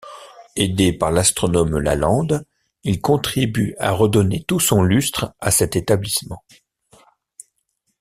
Aidé par l'astronome Lalande, il contribue à redonner tout son lustre à cet établissement.